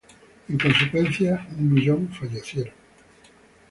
En consecuencia, un millón falleció.